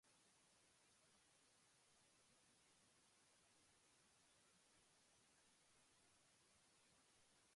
They provide important information about the relationships between different elements in a sentence.